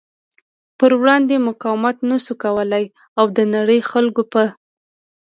پر وړاندې مقاومت نشو کولی او د نړۍ خلکو په